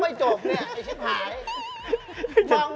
ก็ไม่โจ๊กนี่ไอ้ชิบหาย